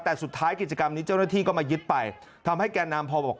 แต่สุดท้ายกิจกรรมนี้เจ้าหน้าที่ก็มายึดไปทำให้แก่นำพอบอก